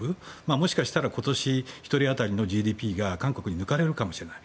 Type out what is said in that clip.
もしかしたら今年１人当たりのＧＤＰが韓国に抜かれるかもしれない。